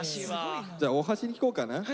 じゃあ大橋に聞こうかな。